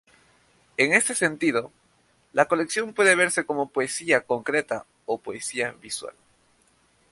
En este sentido, la colección puede verse como poesía concreta o poesía visual.